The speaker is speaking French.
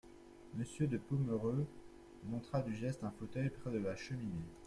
Monsieur de Pomereux montra du geste un fauteuil près de la cheminée.